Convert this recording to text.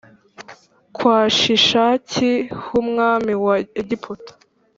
kwa Shishaki h umwami wa Egiputa